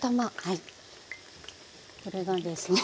これがですね